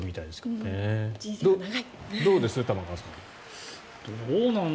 どうです玉川さん。